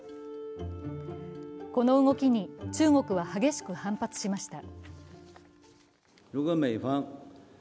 この動きに、中国は激しく反発しました。